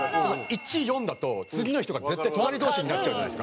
１４だと次の人が絶対隣同士になっちゃうじゃないですか。